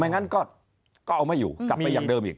งั้นก็เอาไม่อยู่กลับไปอย่างเดิมอีก